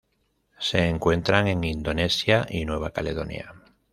Se encuentran en Indonesia y Nueva Caledonia.